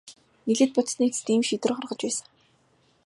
Нэлээд бодсоны эцэст ийм шийдвэр гаргаж байсан.